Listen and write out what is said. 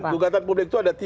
gugatan publik itu ada tiga